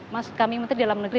maksud kami menteri dalam negeri